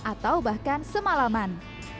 atau bahkan semalaman